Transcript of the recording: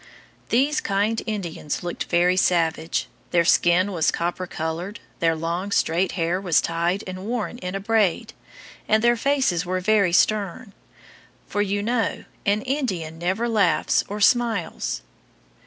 These kind Indians looked very savage. Their skin was copper colored, their long, straight hair was tied and worn in a braid, and their faces were very stern; for, you know, an Indian never laughs or smiles.